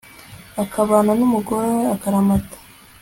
akabana n'umugore we akaramata